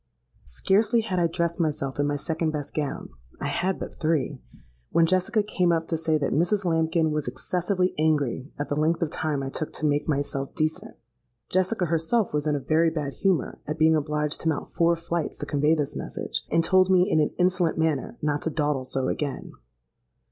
Scarcely had I dressed myself in my second best gown (I had but three)—when Jessica came up to say that Mrs. Lambkin was excessively angry at the length of time I took to make myself decent. Jessica herself was in a very bad humour at being obliged to mount four flights to convey this message, and told me in an insolent manner not to dawdle so again.